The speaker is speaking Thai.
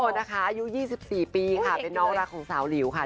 นะคะอายุ๒๔ปีค่ะเป็นน้องรักของสาวหลิวค่ะ